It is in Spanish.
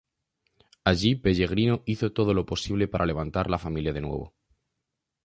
Allí Pellegrino hizo todo lo posible para levantar la familia de nuevo.